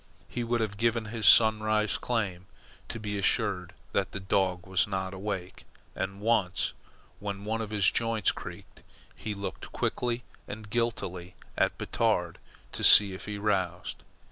He would have given his Sunrise claim to be assured that the dog was not awake, and once, when one of his joints cracked, he looked quickly and guiltily at Batard to see if he roused.